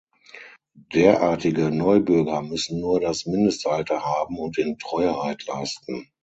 Derartige Neubürger müssen nur das Mindestalter haben und den Treueeid leisten.